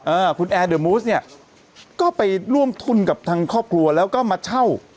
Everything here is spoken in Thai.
เออคุณแอร์เนี้ยก็ไปร่วมทุนกับทางครอบครัวแล้วก็มาเช่า